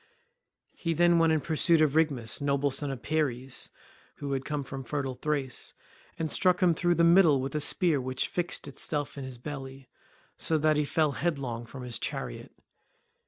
He then went in pursuit of Rhigmus, noble son of Peires, who had come from fertile Thrace, and struck him through the middle with a spear which fixed itself in his belly, so that he fell headlong from his chariot.